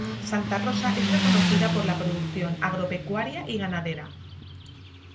Santa Rosa es reconocida por la producción agropecuaria y ganadera.